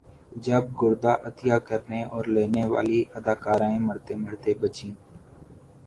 جب گردہ عطیہ کرنے اور لینے والی اداکارائیں مرتے مرتے بچیں